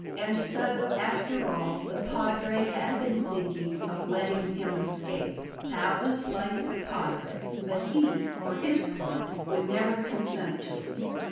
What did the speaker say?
And so, after all, the Padre had been thinking of letting him escape! That was like the Padre. But he, for his part, would never consent to it.